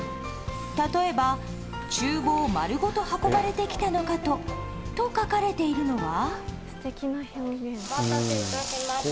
例えば、厨房丸ごと運ばれてきたのかと書かれているのは。